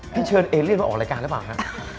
เชิญเอเลียนมาออกรายการหรือเปล่าฮะ